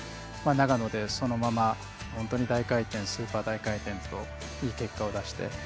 長野でそのまま大回転、スーパー大回転といい結果を出して。